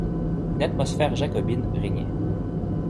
Une atmosphère jacobine régnait.